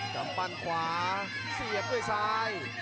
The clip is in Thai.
กำปั้นขวาเสียบด้วยซ้าย